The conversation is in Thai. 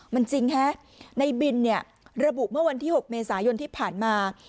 มันจริงฮะในบินเนี่ยระบุเมื่อวันที่๖เมษายนที่ผ่านมา